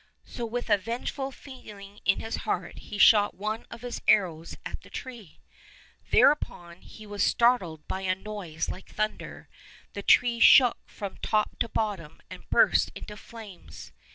So with a vengeful feeling in his heart he shot one of his arrows at the tree. Thereupon he was startled by a noise like thunder, the tree shook from top to bottom, and burst into flames.